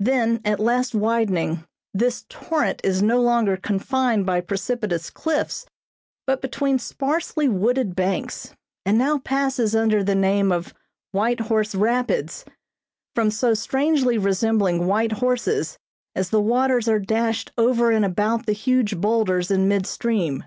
Then at last widening, this torrent is no longer confined by precipitous cliffs but between sparsely wooded banks, and now passes under the name of "White Horse Rapids," from so strangely resembling white horses as the waters are dashed over and about the huge boulders in mid stream.